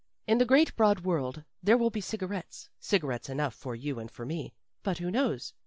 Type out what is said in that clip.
In the great broad world there will be cigarettes cigarettes enough for you and for me. But, who knows?